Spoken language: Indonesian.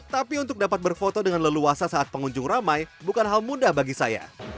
tapi untuk dapat berfoto dengan leluasa saat pengunjung ramai bukan hal mudah bagi saya